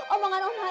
omongan om haji